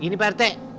gini pak rt